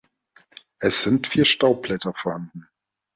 Es sind vier Staubblätter vorhanden.